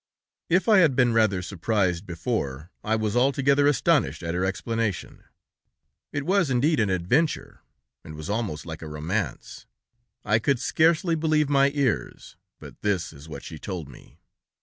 "If I had been rather surprised before, I was altogether astonished at her explanation. It was indeed an adventure, and was almost like a romance. I could scarcely believe my ears, but this is what she told me.